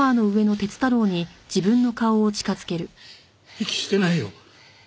息してないよ。